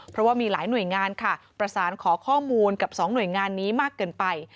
เพราะว่ามีหลายหน่วยงานค่ะประสานขอข้อมูลกับ๒หน่วยงานนี้มากเกินไป